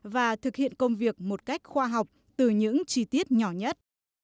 và thực hiện công việc một cách khoa học từ những chi tiết nhỏ nhất